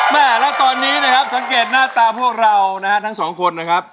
แม่แล้วตอนนี้นะครับสังเกตหน้าตาพวกเรานะฮะทั้งสองคนนะครับ